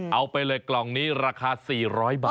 เอาไปเลยกล่องนี้ราคา๔๐๐บาท